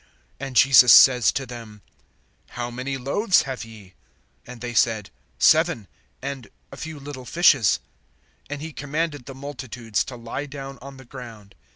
(34)And Jesus says to them: How many loaves have ye? And they said: Seven, and a few little fishes. (35)And he commanded the multitudes to lie down on the ground.